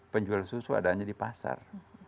penjual susu ada aja di pasar